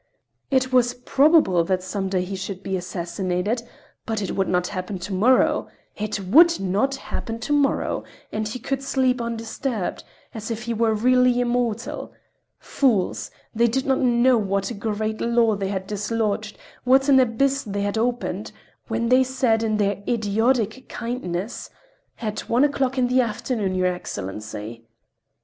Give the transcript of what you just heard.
It was probable that some day he should be assassinated, but it would not happen to morrow—it would not happen to morrow—and he could sleep undisturbed, as if he were really immortal. Fools—they did not know what a great law they had dislodged, what an abyss they had opened, when they said in their idiotic kindness: "At one o'clock in the afternoon, your Excellency!"